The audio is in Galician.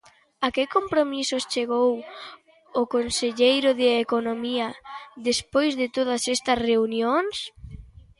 ¿A que compromisos chegou o conselleiro de Economía despois de todas estas reunións?